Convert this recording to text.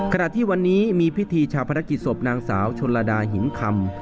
ขนาดที่วันนี้มีพิธีชาพรกิจสวบนางสาวชนรดาหินคำ